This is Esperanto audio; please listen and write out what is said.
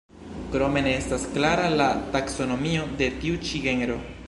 Krome ne estas klara la taksonomio de tiu ĉi genro.